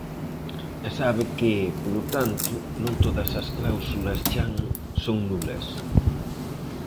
E sabe que, polo tanto, non todas as cláusulas chan son nulas.